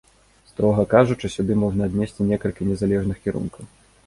Строга кажучы, сюды можна аднесці некалькі незалежных кірункаў.